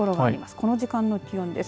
この時間の気温です。